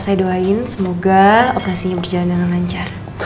saya doain semoga operasinya berjalan dengan lancar